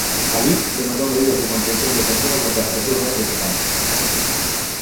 Alí, demandou medidas de contención do consumo porque a situación é "preocupante".